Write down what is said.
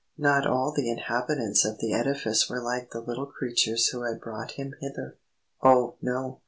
Not all the inhabitants of the edifice were like the little creatures who had brought him hither. Oh, no!